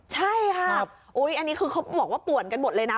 ใช่ค่ะอันนี้คือเขาบอกว่าป่วนกันหมดเลยนะ